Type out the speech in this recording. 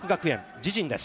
自陣です。